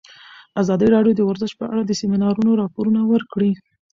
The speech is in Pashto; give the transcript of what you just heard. ازادي راډیو د ورزش په اړه د سیمینارونو راپورونه ورکړي.